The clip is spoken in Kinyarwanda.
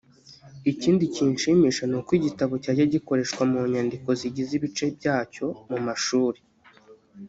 Ikindi kinshimisha ni uko gitabo cyajya gikoreshwa m nyandiko zigize ibice byacyo mu mashuri